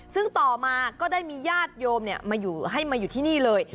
ซึ่งต่อมาก็ได้มีญาติโยมให้มาอยู่ที่นี่เลย